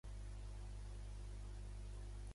A través d'Espanya va marxar als Estats Units d'Amèrica.